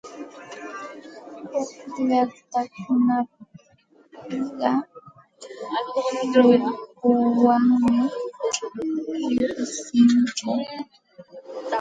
Huk llaqtakunapiqa rirpuwanmi riqsinku.